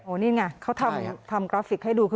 นี่ไงเขาทำกราฟิกให้ดูกัน